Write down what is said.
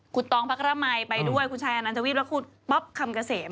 คุณต้องประกรมัยไปด้วยคุณชายอานันทวิปคุณป๊อบคำเกษม